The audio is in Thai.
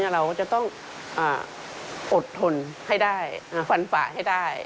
เราจะต้องอดทนให้ได้ฟันฝ่าให้ได้